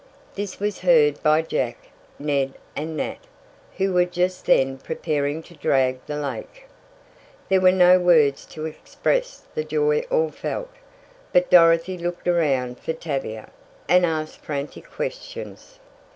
This was heard by Jack, Ned and Nat, who were just then preparing to drag the lake. There were no words to express the joy all felt, but Dorothy looked around for Tavia, and asked frantic questions.